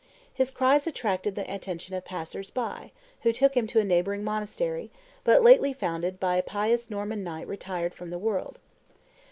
His cries attracted the attention of passers by, who took him to a neighboring monastery, but lately founded by a pious Norman knight retired from the world.